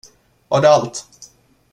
Var det allt?